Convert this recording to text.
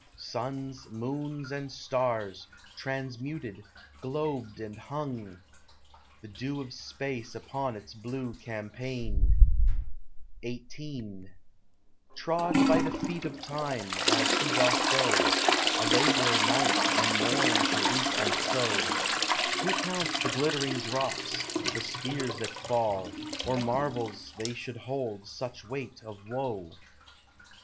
Suns, moons, and stars, transmuted, globed, and hung— The dew of Space upon its blue campaign: XVIII Trod by the feet of Time, as he doth go, A labourer night and morn to reap and sow— Who counts the glittering drops—the spheres that fall, Or marvels they should hold such weight of woe?